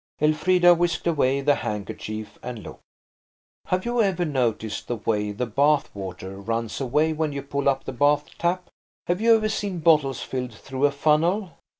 Elfrida whisked away the handkerchief and looked. Have you ever noticed the way the bath water runs away when you pull up the bath tap? Have you ever seen bottles filled through a funnel?